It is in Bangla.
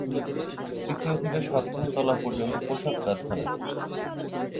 তৃতীয় থেকে সপ্তম তলা পর্যন্ত পোশাক কারখানা।